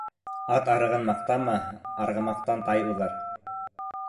Ат арығын маҡтама, арғымаҡтан тай уҙыр.